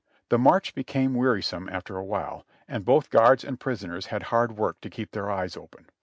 The march became wearisome after a while, and both guards and prisoners had hard work to keep their eyes open.